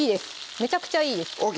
めちゃくちゃいいです